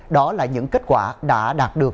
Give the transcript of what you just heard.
đó là những kết quả đã đạt được